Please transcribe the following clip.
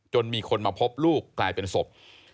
มีคนมาพบลูกกลายเป็นศพ